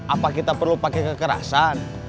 apa kita perlu pakai kekerasan